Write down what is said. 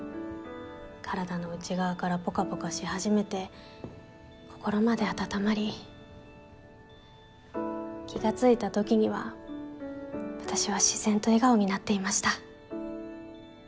体の内側からポカポカし始めて心まで温まり気が付いた時には私は自然と笑顔になっていました。